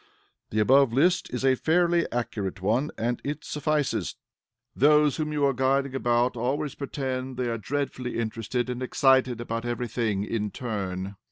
The above list is a fairly accurate one, and it suffices. Those whom you are guiding about always pretend they are dreadfully interested and excited about every thing in turn.